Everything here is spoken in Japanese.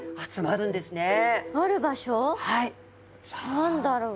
何だろう？